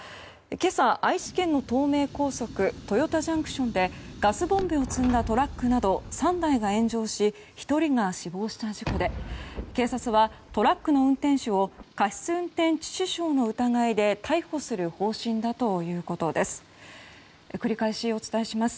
今朝、愛知県の東名高速豊田ＪＣＴでガスボンベを積んだトラックなど３台が炎上し１人が死亡した事故で警察はトラックの運転手を過失運転致死傷の疑いで逮捕する方針だということです。